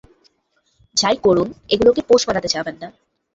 যাই করুন, এগুলোকে পোষ মানাতে যাবেন না!